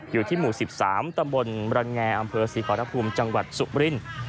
อยู่ที่หมู่๑๓ตำบลบรันแงอำเภอศรีขอรภูมิจังหวัดสุบรินทร์